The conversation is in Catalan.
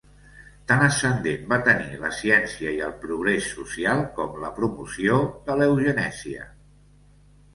Tant ascendent va tenir la ciència i el progrés social com la promoció de l'eugenèsia.